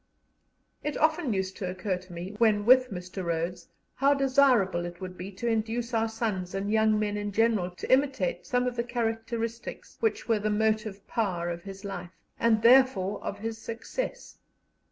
It often used to occur to me, when with Mr. Rhodes, how desirable it would be to induce our sons and young men in general to imitate some of the characteristics which were the motive power of his life, and therefore of his success.